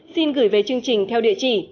xin gửi về chương trình theo địa chỉ